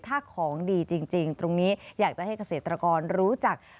ถ้าของดีจริงตรงนี้อยากจะให้เกษตรกรรู้จัก